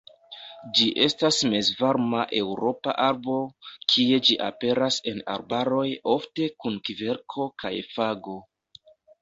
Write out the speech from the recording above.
Ĝi estas Mezvarma-Eŭropa arbo, kie ĝi aperas en arbaroj ofte kun kverko kaj fago.